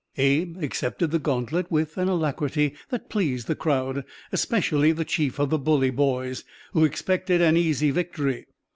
Abe accepted the gauntlet with an alacrity that pleased the crowd, especially the chief of the bully "Boys," who expected an easy victory.